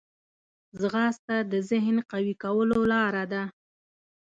ځغاسته د ذهن قوي کولو لاره ده